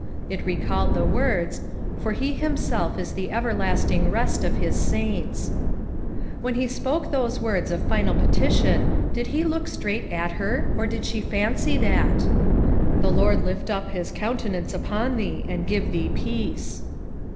It recalled the words: "For he himself is the everlasting rest of his saints," When he spoke those words of final petition did he look straight at her, or did she fancy that? "The Lord lift up his countenance upon thee, and give thee peace."